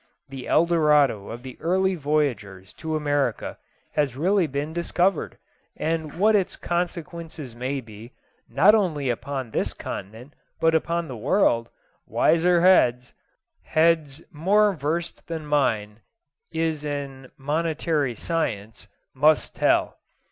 The El Dorado of the early voyagers to America has really been discovered; and what its consequences may be, not only upon this continent, but upon the world, wiser heads heads more versed than mine is in monetary science must tell.